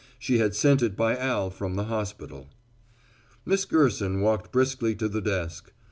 She had sent it by Al from the hospital. Miss Gerson walked briskly to the desk.